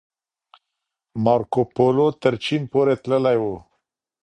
مارکوپولو تر چين پورې تللی و.